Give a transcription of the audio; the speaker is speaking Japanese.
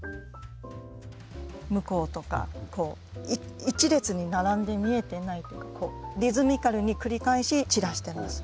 向こうとか一列に並んで見えてないっていうかリズミカルに繰り返し散らしてます。